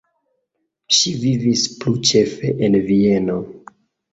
Ŝi vivis plu ĉefe en Vieno.